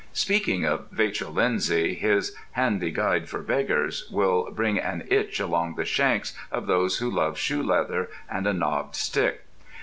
Speaking of Vachel Lindsay, his "Handy Guide for Beggars" will bring an itch along the shanks of those who love shoe leather and a knobbed stick.